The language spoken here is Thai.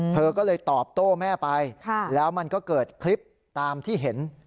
เธอก็เลยตอบโต้แม่ไปแล้วมันก็เกิดคลิปตามที่เห็น